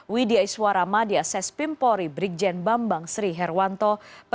widya iswara madia ses pimpori brikjen bambang sri herwanto